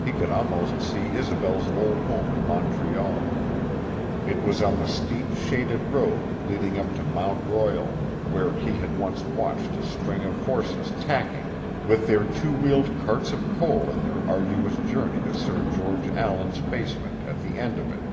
He could almost see Isobel's old home in Montreal. It was on the steep, shaded road leading up to Mount Royal, where he had once watched a string of horses "tacking" with their two wheeled carts of coal in their arduous journey to Sir George Allen's basement at the end of it.